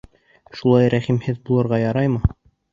Шулай рәхимһеҙ булырға яраймы?